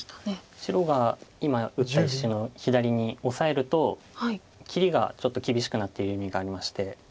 白が今打った石の左にオサえると切りがちょっと厳しくなっている意味がありまして。